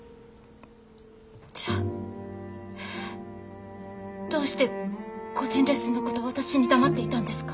じゃあどうして個人レッスンのこと私に黙っていたんですか？